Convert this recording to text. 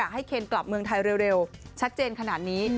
ให้เคนกลับเมืองไทยเร็วชัดเจนขนาดนี้